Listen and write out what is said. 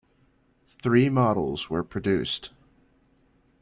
Three models were produced.